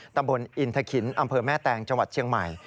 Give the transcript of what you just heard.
ตำบลอินทะขินอำเภอแม่แตงจังหวัดเชียงใหม่